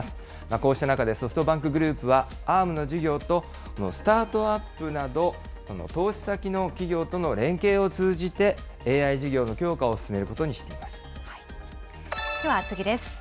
こうした中でソフトバンクグループは、Ａｒｍの事業とスタートアップなど、この投資先の企業との連携を通じて、ＡＩ事業の強化をでは次です。